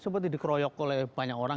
tidak perlu dikeroyok oleh banyak orang